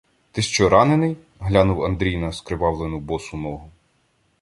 — Ти що, ранений? — глянув Андрій на скривавлену босу ногу.